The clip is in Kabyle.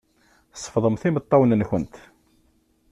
Sefḍemt imeṭṭawen-nkent.